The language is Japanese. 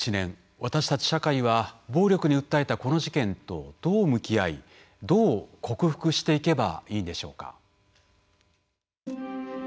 私たち社会は暴力に訴えたこの事件とどう向き合いどう克服していけばいいでしょうか。